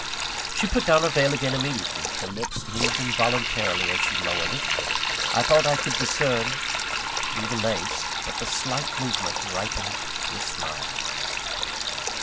She put down her veil again immediately; her lips moved involuntarily as she lowered it: I thought I could discern, through the lace, that the slight movement ripened to a smile.